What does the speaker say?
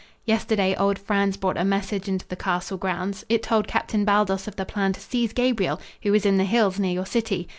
Yesterday old Franz brought a message into the castle grounds. It told Captain Baldos of the plan to seize Gabriel, who was in the hills near your city.